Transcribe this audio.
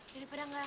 daripada gak ada mak